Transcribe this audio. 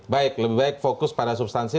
baik lebih baik fokus pada substansi